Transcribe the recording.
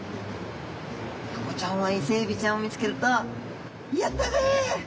タコちゃんはイセエビちゃんを見つけると「やったぜ！